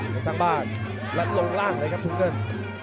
ทุกท่านบ้านและลงล่างเลยครับทุกเกิร์ต